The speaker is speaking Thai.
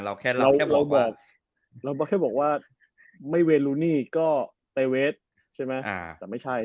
เราแค่บอกว่าไม่เวลูนี่ก็เตเวสใช่ไหมแต่ไม่ใช่